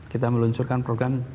kita meluncurkan program